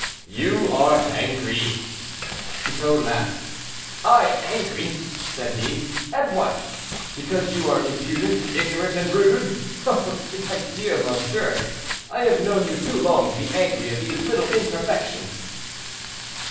"You are angry." Chicot laughed. "I angry!" said he, "at what? Because you are impudent, ignorant, and rude? Oh! my dear monsieur, I have known you too long to be angry at these little imperfections."